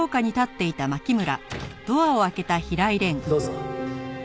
どうぞ。